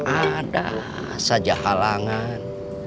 ada saja halangan